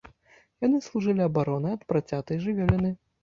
Яны служылі абаронай ад працятай жывёліны.